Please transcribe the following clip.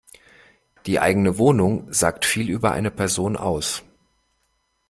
Die eigene Wohnung sagt viel über eine Person aus.